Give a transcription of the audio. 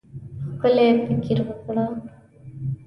ښکلی فکر وکړه.